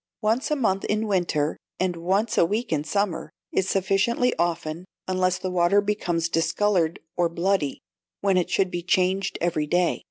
Once a month in winter, and once a week in summer, is sufficiently often, unless the water becomes discoloured or bloody, when it should be changed every day.